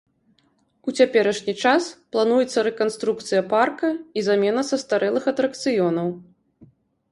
У цяперашні час плануецца рэканструкцыя парка і замена састарэлых атракцыёнаў.